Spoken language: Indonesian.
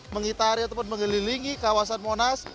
mengitari ataupun mengelilingi kawasan monas